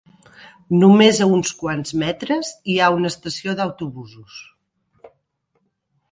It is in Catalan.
Només a uns quants metres hi ha una estació d'autobusos.